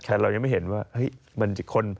แต่เรายังไม่เห็นว่า